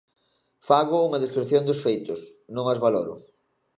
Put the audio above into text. Fago unha descrición dos feitos, non os valoro.